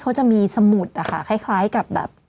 เขาจะมีสมุดคล้ายกับ